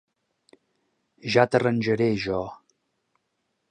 Ja t'arranjaré, jo.